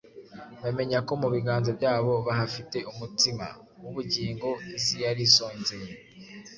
Bamenye ko mu biganza byabo bahafite umutsima w’ubugingo isi yari isonzeye;